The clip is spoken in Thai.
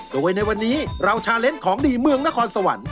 โดยในวันนี้เราชาเล้นของดีเมืองนครสวรรค์